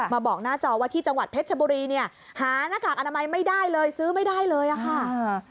บอกหน้าจอว่าที่จังหวัดเพชรชบุรีเนี่ยหาหน้ากากอนามัยไม่ได้เลยซื้อไม่ได้เลยอะค่ะ